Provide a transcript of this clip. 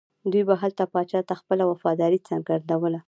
دوی به هلته پاچا ته خپله وفاداري څرګندوله.